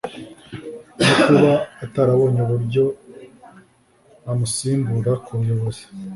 no kuba atarabonye uburyo amusimbura ku buyobozi